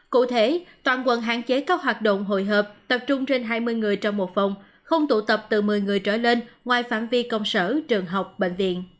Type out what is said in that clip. cụ thể toàn quận hạn chế các hoạt động hội họp tập trung trên hai mươi người trong một phòng không tụ tập từ một mươi người trở lên ngoài phạm vi công sở trường học bệnh viện